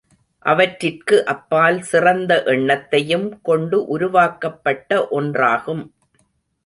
அவற்றிற்கு அப்பால் சிறந்த எண்ணத்தையும் கொண்டு உருவாக்கப்பட்ட ஒன்றாகும்.